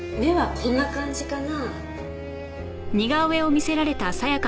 こんな感じかな？